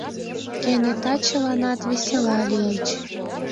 Кенета чыланат весела лийыч.